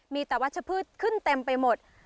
มีแต่วัชพืชขึ้นเต็มไปหมด